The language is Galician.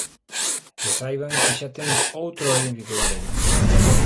E saiban que xa temos outro olímpico galego.